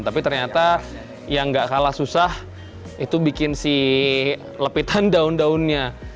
tapi ternyata yang tidak kalah susah itu membuat lepitan daun daunnya